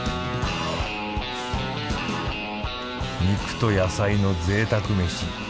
肉と野菜のぜいたく飯。